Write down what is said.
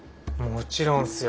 もちろんっすよ。